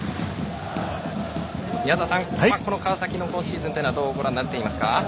宮澤さん、川崎の今シーズンはどうご覧になっていますか？